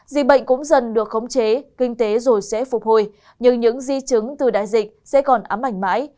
dịch bệnh cũng dần được khống chế kinh tế rồi sẽ phục hồi nhưng những di chứng từ đại dịch sẽ còn ám ảnh mãi